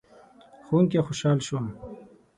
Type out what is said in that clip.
ښوونکی خوشحال شو.